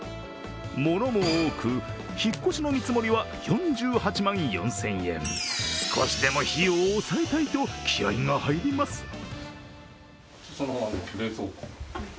ものも多く、引っ越しの見積もりは４８万４０００円、少しでも費用を抑えたいと気合いが入ります。